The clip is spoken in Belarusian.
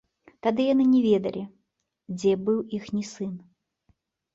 Тады яны не ведалі, дзе быў іхні сын.